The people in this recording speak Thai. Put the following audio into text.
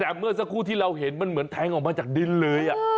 แต่เมื่อสักครู่ที่เราเห็นมันเหมือนแทงออกมาจากดินเลย